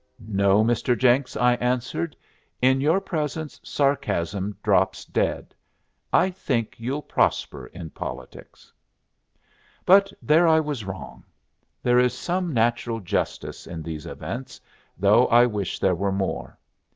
"No, Mr. Jenks," I answered. "In your presence sarcasm drops dead. I think you'll prosper in politics." But there I was wrong. There is some natural justice in these events, though I wish there were more.